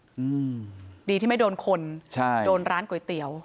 อืมดีที่ไม่โดนคนใช่โดนร้านก๋วยเตี๋ยว